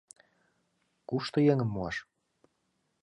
Кушто еҥым муаш?..